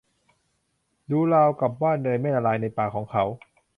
ดูราวกับว่าเนยไม่ละลายในปากของเขา